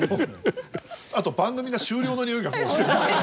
あと番組が終了のにおいがもうしてる。